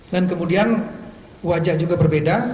dan kemudian wajah juga berbeda